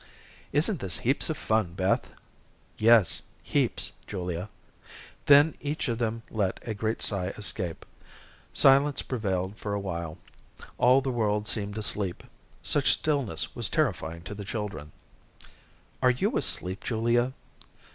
"Isn't this heaps of fun, Beth?" "Yes, heaps, Julia." Then each of them let a great sigh escape. Silence prevailed for awhile. All the world seemed asleep. Such stillness was terrifying to the children. "Are you asleep, Julia?"